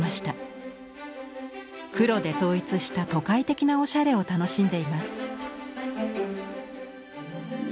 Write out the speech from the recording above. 黒で統一した都会的なおしゃれを楽しんでいます。